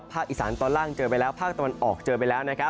อีสานตอนล่างเจอไปแล้วภาคตะวันออกเจอไปแล้วนะครับ